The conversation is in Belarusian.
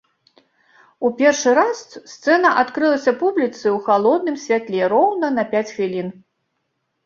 У першы раз сцэна адкрылася публіцы ў халодным святле роўна на пяць хвілін.